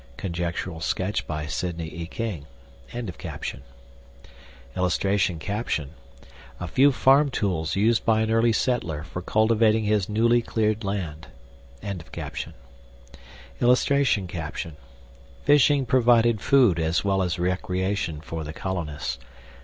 (Conjectural sketch by Sidney E. King.)] [Illustration: A FEW FARM TOOLS USED BY AN EARLY SETTLER FOR CULTIVATING HIS NEWLY CLEARED LAND.] [Illustration: FISHING PROVIDED FOOD AS WELL AS RECREATION FOR THE COLONISTS.